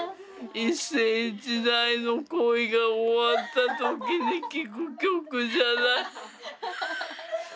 一世一代の恋が終わった時に聴く曲じゃない？